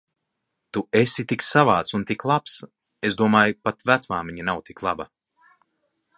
Tu esi tik savāds un tik labs. Es domāju, pat vecmāmiņa nav tik laba.